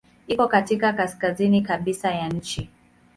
Iko katika kaskazini kabisa ya nchi.